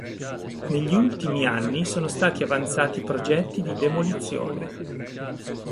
Negli ultimi anni, sono stati avanzati progetti di demolizione.